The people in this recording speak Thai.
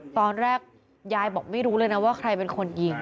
ตอนแรกยายบอกไม่รู้เลยนะว่าใครเป็นคนยิง